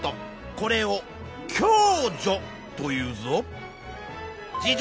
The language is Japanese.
これを共助というぞ。